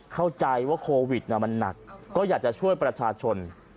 เข้าใจว่าโควิดมันหนักก็อยากจะช่วยประชาชน